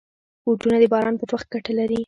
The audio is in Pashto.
بوټونه د باران پر وخت ګټه لري.